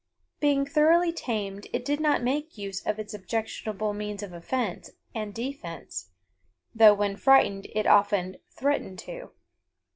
Being thoroughly tamed it did not make use of its objectionable means of offense and defense, though when frightened it often "threatened" to.